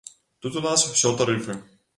Тут у нас усё тарыфы.